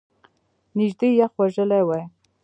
نژدې یخ وژلی وای !